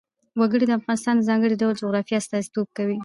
وګړي د افغانستان د ځانګړي ډول جغرافیه استازیتوب کوي.